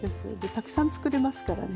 たくさんつくれますからね。